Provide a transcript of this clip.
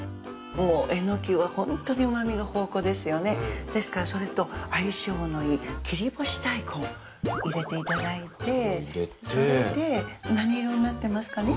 もうえのきはホントにうま味の宝庫ですよねですからそれと相性のいい切干大根入れていただいて入れてそれで何色になってますかね？